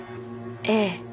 ええ。